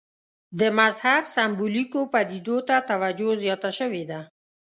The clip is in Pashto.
د مذهب سېمبولیکو پدیدو ته توجه زیاته شوې ده.